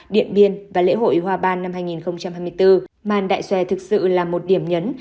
điện biên và lễ hội hoa ban năm hai nghìn hai mươi bốn màn đại xòe thực sự là một điểm nhấn